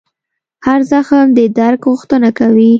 هر زخم د درک غوښتنه کوي.